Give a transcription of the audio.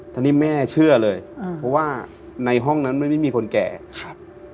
ตอนนี้แม่เชื่อเลยเพราะว่าในห้องนั้นมันไม่มีคนแก่ครับ